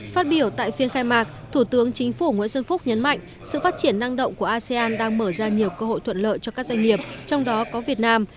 phát biểu tại phiên khai mạc thủ tướng chính phủ nguyễn xuân phúc nhấn mạnh sự phát triển năng động của asean đang mở ra nhiều cơ hội thuận lợi cho các doanh nghiệp trong đó có việt nam